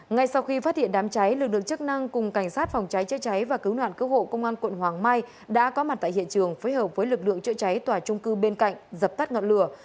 ngay sau khi phát hiện đám cháy lực lượng chức năng cùng cảnh sát phòng cháy chế cháy và cứu nạn cứu hộ công an quận hoàng mai đã có mặt tại hiện trường phối hợp với lực lượng chữa cháy tòa trung cư bên cạnh dập tắt ngọn lửa